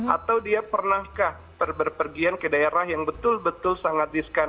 atau dia pernahkah berpergian ke daerah yang betul betul sangat diskan